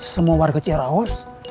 semua warga ceraos